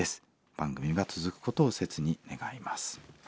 番組が続くことを切に願います」。